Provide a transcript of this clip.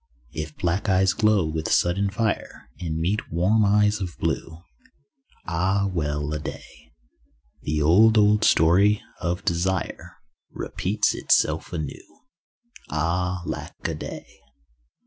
If black eyes glow with sudden fire And meet warm eyes of blue— (Ah, well a day). The old, old story of desire Repeats itself anew. (Ah, lack a day.)